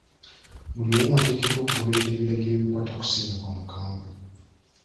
Buli omu ateekeddwa okugoberera ebiragiro ebikwata ku ssennyiga omukambwe.